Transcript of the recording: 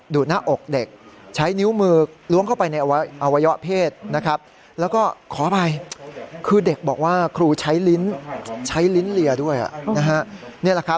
ดูดหน้าอกเด็กใช้นิ้วมือล้วงเข้าไปในอว่ายะเพศ